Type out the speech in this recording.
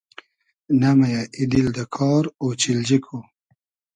نۂ مئیۂ ای دیل دۂ کار ، اۉچیلجی کو